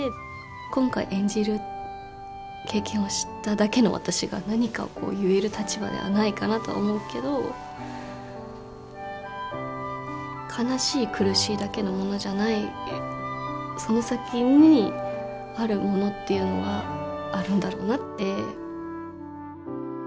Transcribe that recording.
今回演じる経験をしただけの私が何かを言える立場ではないかなとは思うけど悲しい苦しいだけのものじゃないその先にあるものっていうのはあるんだろうなって。